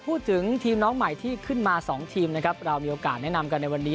พูดถึงทีมน้องใหม่ที่ขึ้นมา๒ทีมนะครับเรามีโอกาสแนะนำกันในวันนี้